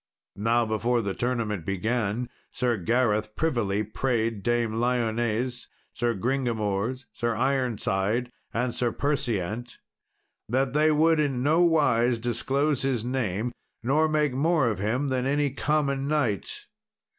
Now before the tournament began, Sir Gareth privily prayed Dame Lyones, Sir Gringamors, Sir Ironside, and Sir Perseant, that they would in nowise disclose his name, nor make more of him than of any common knight.